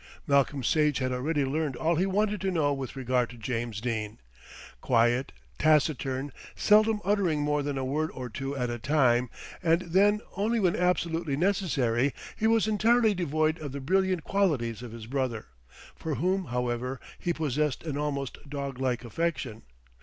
Malcolm Sage had already learned all he wanted to know with regard to James Dene. Quiet, taciturn, seldom uttering more than a word or two at a time, and then only when absolutely necessary, he was entirely devoid of the brilliant qualities of his brother, for whom, however, he possessed an almost dog like affection.